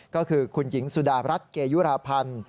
ก็คือคุณหญิงสุดารัฐเกยุราพันธ์